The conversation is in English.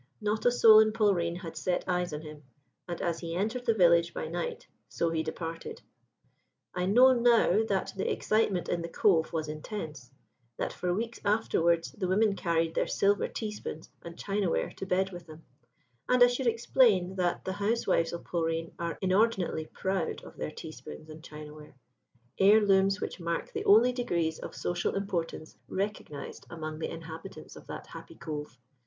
Not a soul in Polreen had set eyes on him, and as he entered the village by night so he departed. "I know now that the excitement in the Cove was intense; that for weeks afterwards the women carried their silver teaspoons and chinaware to bed with them; and I should explain that the housewives of Polreen are inordinately proud of their teaspoons and chinaware heirlooms which mark the only degrees of social importance recognised among the inhabitants of that happy Cove.